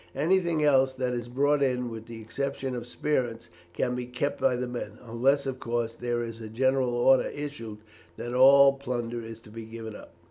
Anything else that is brought in, with the exception of spirits, can be kept by the men, unless of course there is a general order issued that all plunder is to be given up."